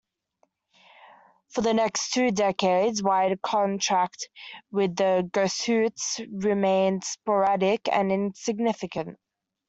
For the next two decades white contact with the Goshutes remained sporadic and insignificant.